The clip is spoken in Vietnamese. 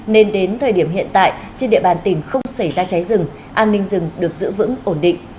nên đến thời điểm hiện tại trên địa bàn tỉnh không xảy ra cháy rừng an ninh rừng được giữ vững ổn định